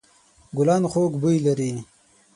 ګلان خوږ بوی لري.